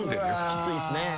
きついっすね。